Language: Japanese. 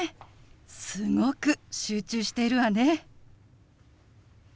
すごく集中しているわね。